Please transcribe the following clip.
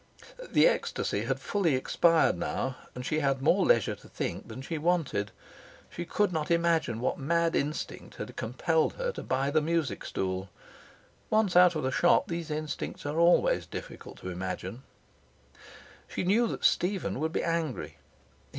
The ecstasy had fully expired now, and she had more leisure to think than she wanted. She could not imagine what mad instinct had compelled her to buy the music stool. (Once out of the shop these instincts always are difficult to imagine.) She knew that Stephen would be angry.